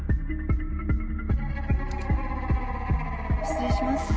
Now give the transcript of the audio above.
失礼します。